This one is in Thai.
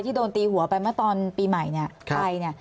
ที่โดนตีหัวไปมาตอนปีใหม่ใคร